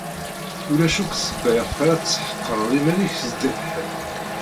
Ulac akk ssebba iɣef ara tesḥeqreḍ iman-ik zdat ḥedd.